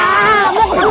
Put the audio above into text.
kamu kemana lo